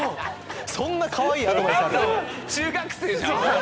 そんなかわいいアドバイス⁉中学生じゃん！